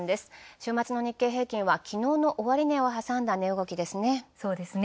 週末の日経平均株価は昨日の終値をはさんだ値動きですね。